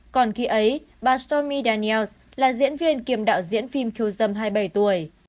còn khi ấy bà stormy daniels là diễn viên kiềm đạo diễn phim kiêu dâm hai mươi bảy tuổi